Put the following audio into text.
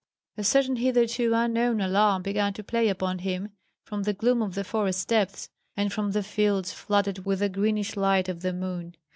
A certain hitherto unknown alarm began to play upon him from the gloom of the forest depths, and from the fields flooded with a greenish light of the moon.